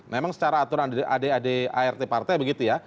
memang secara aturan adik adik art partai begitu ya